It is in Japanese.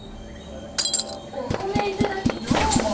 お褒めいただきどうも。